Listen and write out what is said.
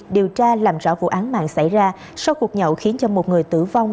điều tra làm rõ vụ án mạng xảy ra sau cuộc nhậu khiến cho một người tử vong